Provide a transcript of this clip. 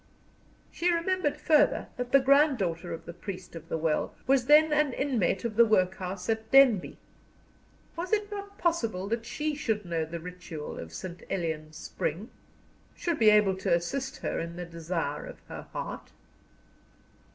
She remembered, further, that the granddaughter of the "Priest of the Well" was then an inmate of the workhouse at Denbigh. Was it not possible that she should know the ritual of St. Elian's spring? should be able to assist her in the desire of her heart?